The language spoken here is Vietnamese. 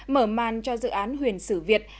mở màn cho dự án huyền sử việt